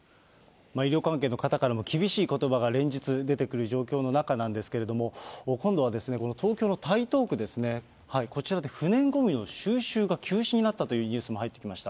医療関係の方からも厳しいことばが連日、出てくる状況の中なんですけれども、今度はですね、東京の台東区ですね、こちらで不燃ごみの収集が休止になったというニュースも入ってきました。